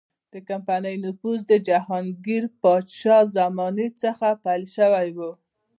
د کمپنۍ نفوذ د جهانګیر پاچا له زمانې څخه پیل شوی و.